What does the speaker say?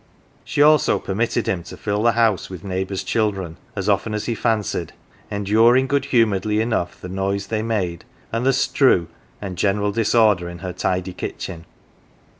She also permitted him to fill the house with neighbours 1 children as often as he fancied, enduring good humouredly enough, the noise they made, and the " strew " and general disorder in her tidy kitchen.